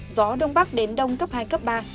gió đông bắc đến đông cấp hai cấp ba